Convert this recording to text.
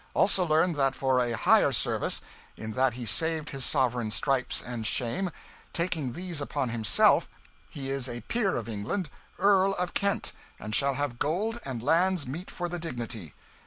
Also learn, that for a higher service, in that he saved his sovereign stripes and shame, taking these upon himself, he is a peer of England, Earl of Kent, and shall have gold and lands meet for the dignity.